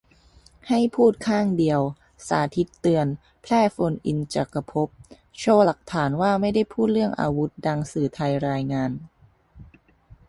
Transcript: ให้พูดข้างเดียว : สาทิตย์เตือน แพร่โฟนอินจักรภพ โชว์หลักฐานว่าไม่ได้พูดเรื่องอาวุธดังสื่อไทยรายงาน